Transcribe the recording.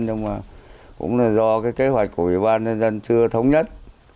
nhưng mà cũng là do cái kế hoạch của ủy ban nhân dân chưa thống nhất